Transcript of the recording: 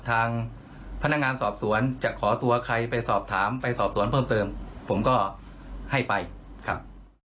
ทางพนักงานสอบสวนจะขอตัวใครไปสอบถามไปสอบสวนเพิ่มเติมผมก็ให้ไปครับ